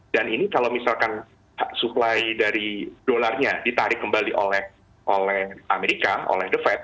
ini kalau misalkan supply dari dolarnya ditarik kembali oleh amerika oleh the fed